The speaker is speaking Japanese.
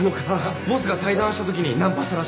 ボスが対談したときにナンパしたらしいです。